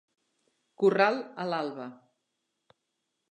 Corral a l'alba.